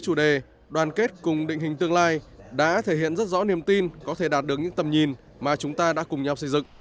chủ đề đoàn kết cùng định hình tương lai đã thể hiện rất rõ niềm tin có thể đạt được những tầm nhìn mà chúng ta đã cùng nhau xây dựng